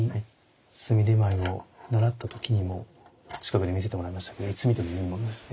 炭手前を習った時にも近くで見せてもらいましたけれどもいつ見てもいいものですね